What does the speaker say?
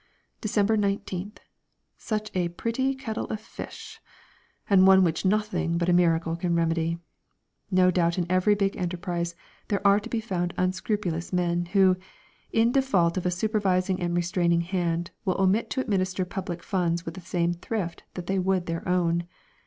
December 19th. Such a pretty kettle of fish! and one which nothing but a miracle can remedy. No doubt in every big enterprise there are to be found unscrupulous men who, in default of a supervising and restraining hand, will omit to administer public funds with the same thrift that they would their own.